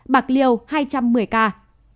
bạc liêu hai trăm một mươi ca